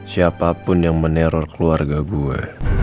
siapapun yang meneror keluarga gue